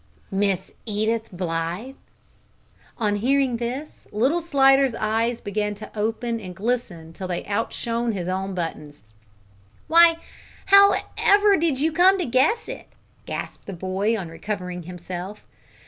"Miss Edith Blythe!" On hearing this, little Slidder's eyes began to open and glisten till they outshone his own buttons. "Why how ever did you come to guess it?" gasped the boy, on recovering himself.